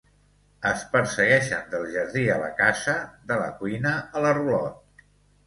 Es persegueixen del jardí a la casa, de la cuina a la rulot.